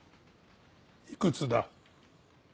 いくつだ？